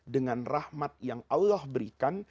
dengan rahmat yang allah berikan